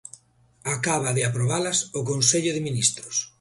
Acaba de aprobalas o Consello de Ministros.